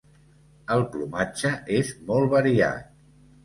El plomatge és molt variat.